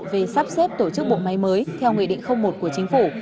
về sắp xếp tổ chức bộ máy mới theo nghị định một của chính phủ